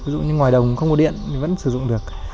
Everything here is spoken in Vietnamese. ví dụ như ngoài đồng không có điện thì vẫn sử dụng được